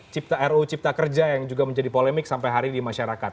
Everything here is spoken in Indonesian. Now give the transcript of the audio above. cipta ruu cipta kerja yang juga menjadi polemik sampai hari ini di masyarakat